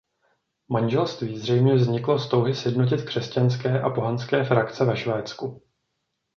Manželství zřejmě vzniklo z touhy sjednotit křesťanské a pohanské frakce ve Švédsku.